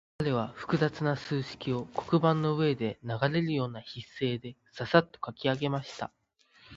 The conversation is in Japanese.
彼は複雑な数式を、黒板の上で流れるような筆致でささっと書き上げました。